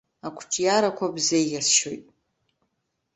Ақәҿиарақәа бзеиӷьасшьоит!